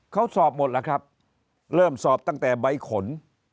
เขาสอบหมดแล้วครับเริ่มสอบตั้งแต่ใบขน